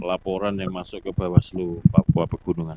laporan yang masuk ke bawaslu papua pegunungan